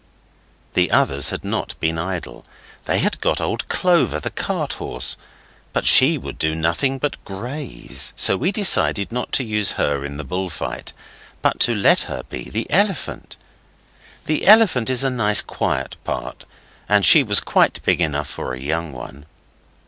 The others had not been idle. They had got old Clover, the cart horse, but she would do nothing but graze, so we decided not to use her in the bull fight, but to let her be the Elephant. The Elephant's is a nice quiet part, and she was quite big enough for a young one.